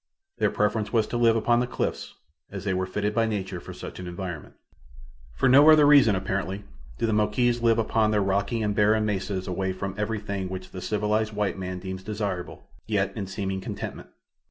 Their preference was to live upon the cliffs, as they were fitted by nature for such an environment. For no other reason, apparently, do the Moquis live upon their rocky and barren mesas away from everything which the civilized white man deems desirable, yet, in seeming contentment.